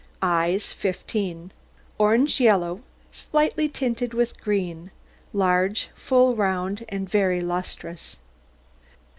EYES 15 Orange yellow, slightly tinted with green, large, full, round, and very lustrous.